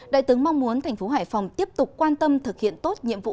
đại tướng mong muốn thành phố hải phòng tiếp tục quan tâm thực hiện tốt nhiệm vụ